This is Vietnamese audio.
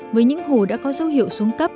với những hồ đã có dấu hiệu xuống cấp